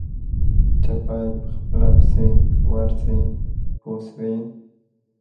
تۀ باید په خپله پسې ورشې پوه شوې!.